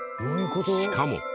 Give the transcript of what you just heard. しかも。